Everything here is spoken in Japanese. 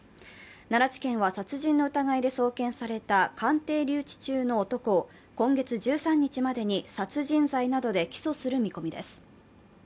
奈良地検は殺人の疑いで送検された鑑定留置中の男を今月１３日までに殺人罪などで起訴する見込みです。